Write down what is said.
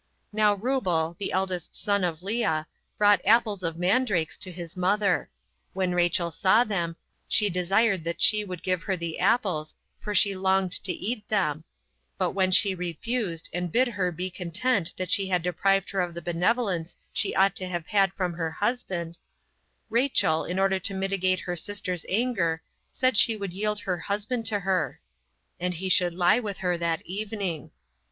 Now Reubel, the eldest son of Lea, brought apples of mandrakes 36 to his mother. When Rachel saw them, she desired that she would give her the apples, for she longed to eat them; but when she refused, and bid her be content that she had deprived her of the benevolence she ought to have had from her husband, Rachel, in order to mitigate her sister's anger, said she would yield her husband to her; and he should lie with her that evening.